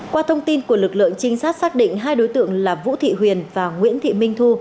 qua thông tin của lực lượng trinh sát xác định hai đối tượng là vũ thị huyền và nguyễn thị minh thu